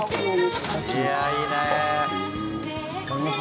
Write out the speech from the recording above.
いやあいいねえ。